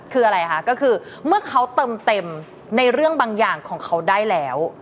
คืออะไรคะก็คือเมื่อเขาเติมเต็มในเรื่องบางอย่างของเขาได้แล้ว